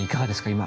今。